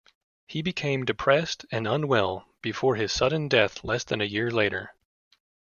He became depressed and unwell before his sudden death less than a year later.